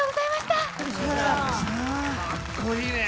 かっこいいね！